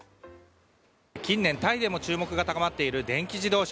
近年、タイでも注目が高まっている電気自動車。